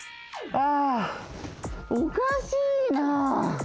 ああおかしいな。